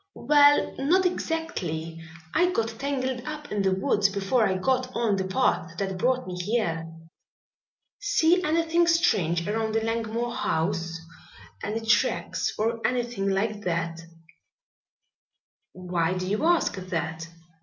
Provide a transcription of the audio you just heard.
"Well, not exactly. I got tangled up in the woods before I got on the path that brought me here." "See anything strange around the Langmore house any tracks or anything like that?" "Why do you ask that?